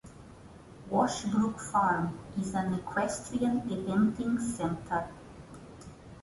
Washbrook Farm, is an equestrian eventing centre.